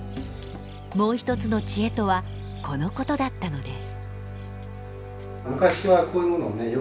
もう一つの知恵とはこのことだったのです。